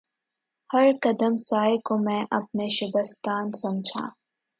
ہر قدم سائے کو میں اپنے شبستان سمجھا